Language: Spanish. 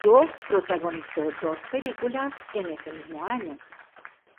Jo protagonizó dos películas en ese mismo año.